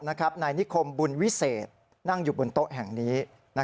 นายนิคมบุญวิเศษนั่งอยู่บนโต๊ะแห่งนี้